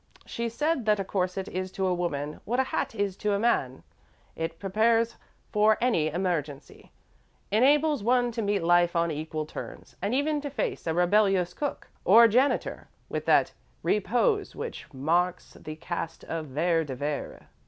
She said that a corset is to a woman what a hat is to a man it prepares for any emergency, enables one to meet life on equal terms, and even to face a rebellious cook or janitor with 'that repose which marks the caste of Vere de Vere.'"